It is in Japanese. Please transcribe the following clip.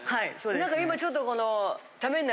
何か今ちょっと。